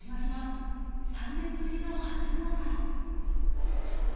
３年ぶりの初午祭。